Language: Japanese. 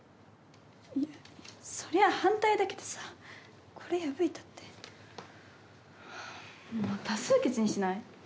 いやそりゃあ反対だけどさこれ破いたってもう多数決にしない？